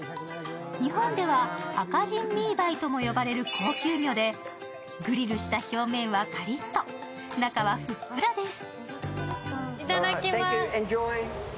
日本ではアカジンミーバイとも呼ばれる高級魚で、グリルした表面はカリッと中はふっくらです。